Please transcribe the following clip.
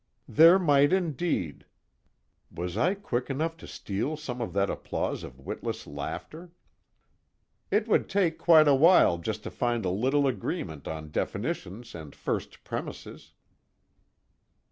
"There might indeed." Was I quick enough to steal some of that applause of witless laughter? "It would take quite a while just to find a little agreement on definitions and first premises."